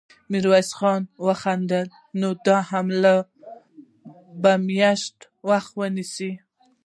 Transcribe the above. ميرويس خان وخندل: نو دا حملې به مياشتې وخت ونيسي.